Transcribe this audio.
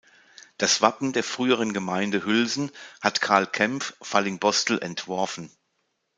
Das Wappen der früheren Gemeinde Hülsen hat Karl Kämpf, Fallingbostel, entworfen.